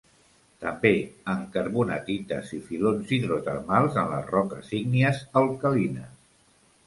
També en carbonatites i filons hidrotermals en les roques ígnies alcalines.